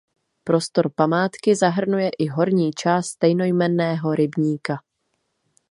Prostor památky zahrnuje i horní část stejnojmenného rybníka.